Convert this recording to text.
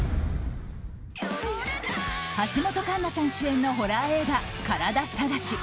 橋本環奈さん主演のホラー映画「カラダ探し」。